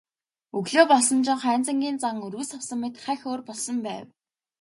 Өглөө болсон чинь Хайнзангийн зан өргөс авсан мэт хахь өөр болсон байв.